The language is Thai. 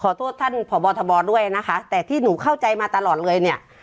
โทษท่านพบทบด้วยนะคะแต่ที่หนูเข้าใจมาตลอดเลยเนี่ย